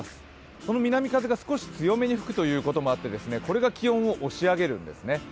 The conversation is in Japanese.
その南風が少し強めに吹くこともあってこれが気温を押し上げるんですね。